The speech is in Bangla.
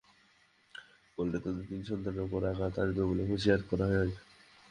বললে তাঁদের তিন সন্তানের ওপর আঘাত আসবে বলে হুঁশিয়ার করা হয়।